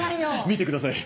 見てください。